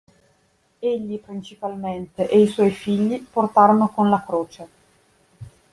Egli principalmente e i suoi figli portarono con la croce